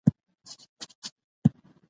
فارابي د عقل پلوی دی.